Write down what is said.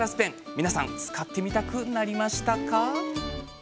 皆さん使ってみたくなりましたか？